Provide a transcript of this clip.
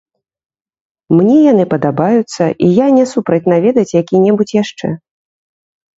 Мне яны падабаюцца, і я не супраць наведаць які-небудзь яшчэ.